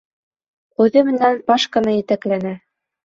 Үҙе менән Пашканы етәкләне.